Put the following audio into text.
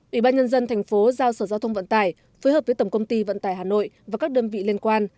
ủy ban nhân dân thành phố giao sở giao thông vận tải phối hợp với tổng công ty vận tải hà nội và các đơn vị liên quan